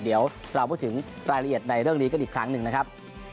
เดี๋ยวเราพูดถึงรายละเอียดในเรื่องนี้กันอีกครั้งหนึ่งนะครับ